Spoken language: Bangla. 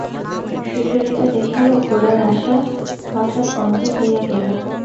সুচরিতা দেখিল গোরার আসা হঠাৎ বন্ধ হইয়া গেল।